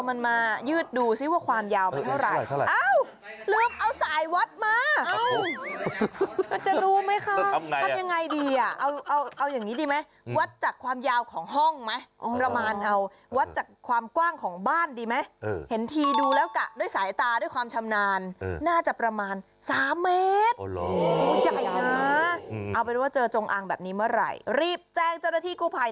เพื่อนี่จะปราบงูตัวนี้ได้อยู่ไหมคะ